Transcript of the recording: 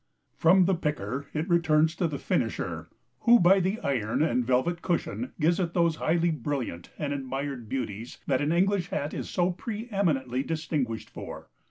From the picker it returns to the finisher who, by the IRON and velvet cushion, gives it those highly brilliant and admired beauties that an English Hat is so pre eminently distinguished for.